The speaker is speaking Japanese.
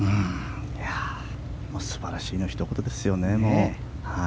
素晴らしいのひと言ですね。